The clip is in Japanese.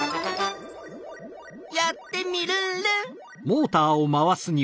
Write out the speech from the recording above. やっテミルンルン！